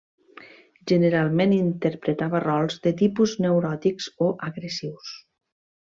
Generalment interpretava rols de tipus neuròtics o agressius.